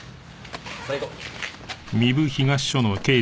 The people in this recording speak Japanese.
さあ行こう。